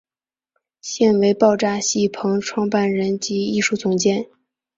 现为爆炸戏棚创办人及艺术总监。